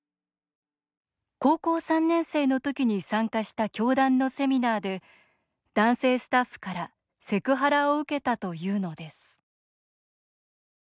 高校３年生の時に参加した教団のセミナーで男性スタッフからセクハラを受けたというのです。